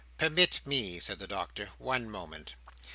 "Permit me," said the Doctor, "one moment.